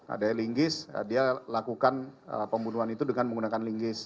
ada linggis dia lakukan pembunuhan itu dengan menggunakan linggis